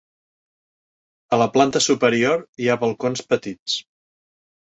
A la planta superior hi ha balcons petits.